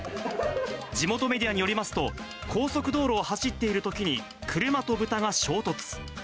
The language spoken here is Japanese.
地元メディアによりますと、高速道路を走っているときに車と豚が衝突。